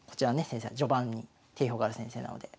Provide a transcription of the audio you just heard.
先生は序盤に定評がある先生なので。